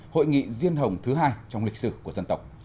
hội nghị riêng hồng thứ hai trong lịch sử của dân tộc